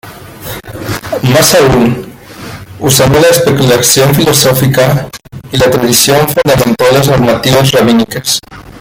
Más aún, usando la especulación filosófica y la tradición fundamentó las normativas rabínicas.